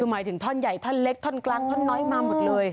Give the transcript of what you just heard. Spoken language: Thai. คือหมายถึงท่อนใหญ่ท่อนเล็กท่อนกลางท่อนน้อยมาหมดเลย